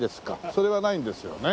それはないんですよね。